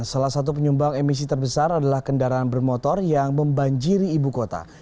salah satu penyumbang emisi terbesar adalah kendaraan bermotor yang membanjiri ibu kota